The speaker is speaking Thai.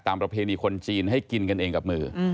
ประเพณีคนจีนให้กินกันเองกับมือ